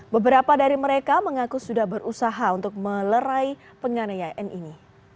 beberapa dari mereka mengaku sudah berusaha untuk melerai penganayaan ini